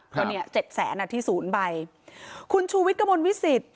ก็เนี่ยเจ็ดแสนอ่ะที่ศูนย์ใบคุณชูวิทย์กระมวลวิสิต